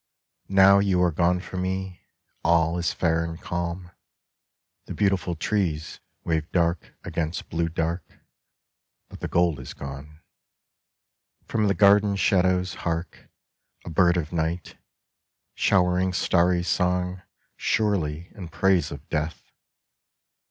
Now you are gone from me, all is fair and calm : The beautiful trees wave dark against blue dark. (But the gold is gone ...) From the garden shadows, hark A bird of night, showering starry song Surely in praise of death.